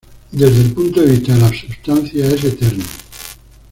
Desde el punto de vista de la substancia es eterno.